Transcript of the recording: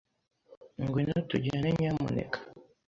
Ngwino tujyane, nyamuneka.